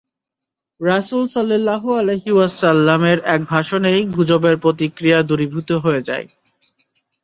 রাসূল সাল্লাল্লাহু আলাইহি ওয়াসাল্লাম-এর এক ভাষণেই গুজবের প্রতিক্রিয়া দূরীভূত হয়ে যায়।